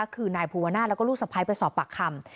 คือนายภูวนาศแล้วก็ลูกสะพ้ายไปสอบปากคำ